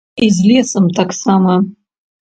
І з лесам таксама.